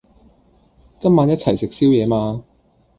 今晚一齊食宵夜嗎？